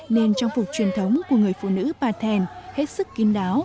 nên trang phục truyền thống của người phụ nữ bà thèn hết sức kiên đáo